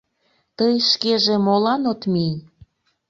Тый шкеже молан от мий?